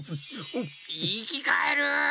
いきかえる！